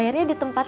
ya udah di sisi ay